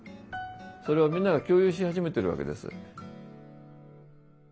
それをみんなが共有し始めてるわけです。